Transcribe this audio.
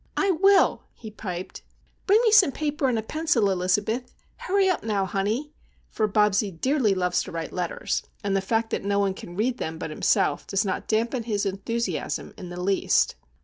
"I will," he piped. "Bring me some paper and a pencil, Elizabeth. Hurry up, now, honey!" For Bobsie dearly loves to write letters, and the fact that no one can read them but himself does not dampen his enthusiasm in the least.